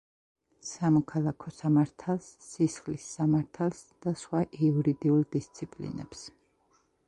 სამოქალაქო სამართალს, სისხლის სამართალს და სხვა იურიდიულ დისციპლინებს.